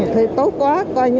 thì tốt quá